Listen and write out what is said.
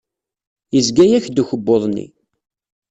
Yezga-yak-d ukebbuḍ-nni.